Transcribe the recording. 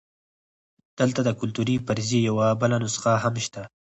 دلته د کلتوري فرضیې یوه بله نسخه هم شته.